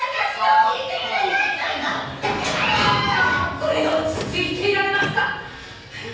これが落ち着いていられますか！